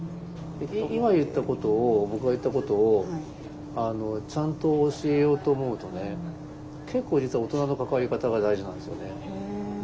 今言ったことを僕が言ったことをちゃんと教えようと思うとね結構実は大人の関わり方が大事なんですよね。